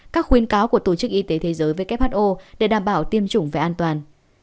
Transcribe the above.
các khuyên cáo của tổ chức y tế thế giới who để đảm bảo tiêm chủng về an toàn